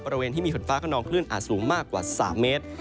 บริเวณที่มีฝนฟ้าขนองคลื่นอาจสูงมากกว่า๓เมตร